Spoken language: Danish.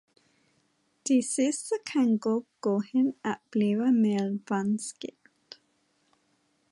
Det sidste kan godt gå hen at blive meget vanskeligt.